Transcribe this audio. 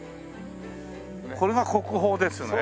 これが国宝ですね？